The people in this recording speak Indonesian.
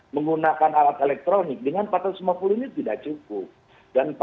menggunakan alat elektronik dengan empat ratus lima puluh ini tidak cukup